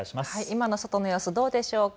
今の外の様子はどうでしょうか。